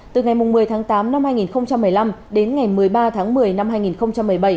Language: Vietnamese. từ ngày một mươi tháng tám năm hai nghìn một mươi năm đến ngày một mươi ba tháng một mươi năm hai nghìn một mươi bảy